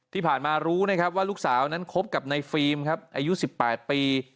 ที่ผ่านมารู้ว่าลูกสาวนั้นคบกับในฟิล์มอายุ๑๘ปี